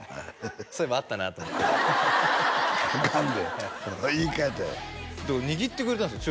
そういえばあったなと思ってアカンで言いかえたら握ってくれたんですよ